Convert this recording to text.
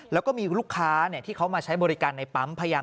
แล้วก็มีลูกค้าเนี่ยที่เขามาใช้บริการในปั๊ม